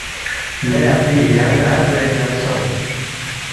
”لے اپی یانگ گار گوے اِن نہ سونگ